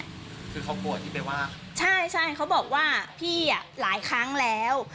คือเขาโกรธที่ไปว่าใช่ใช่เขาบอกว่าพี่อ่ะหลายครั้งแล้ว